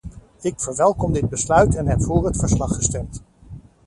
Ik verwelkom dit besluit en heb voor het verslag gestemd.